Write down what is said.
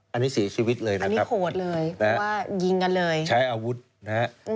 อันนี้เสียชีวิตเลยนะครับใช้อาวุธนะครับอันนี้โหดเลย